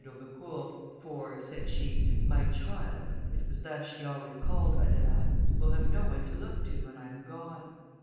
d'Aubecourt, "for," said she, "my child" (it was thus she always called Adelaide) "will have no one to look to when I am gone."